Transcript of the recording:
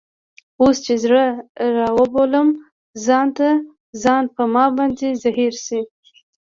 اوس چي زړه رابولم ځان ته ، ځان په ما باندي زهیر سي